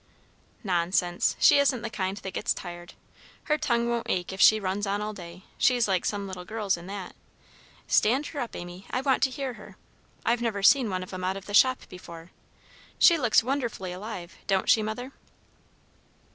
"Nonsense! she isn't the kind that gets tired. Her tongue won't ache if she runs on all day; she's like some little girls in that. Stand her up, Amy, I want to hear her. I've never seen one of 'em out of the shop before. She looks wonderfully alive, doesn't she, Mother?"